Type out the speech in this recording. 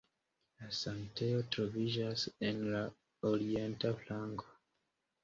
La sanktejo troviĝas en la orienta flanko.